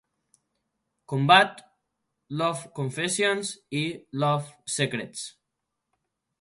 Combat", "Love Confessions" i "Love Secrets".